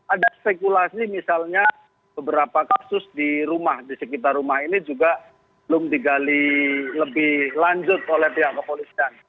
ada spekulasi misalnya beberapa kasus di rumah di sekitar rumah ini juga belum digali lebih lanjut oleh pihak kepolisian